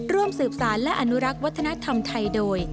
ร่วมสืบสารและอนุรักษ์วัฒนธรรมไทยโดย